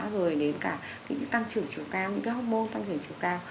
rồi đến cả những cái tăng trưởng chiều cao những cái hormone tăng trưởng chiều cao